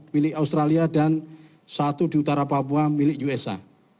milik australia dan satu di utara papua milik usa